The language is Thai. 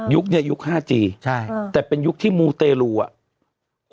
เนี่ยยุคห้าจีใช่อ่าแต่เป็นยุคที่มูเตรลูอ่ะ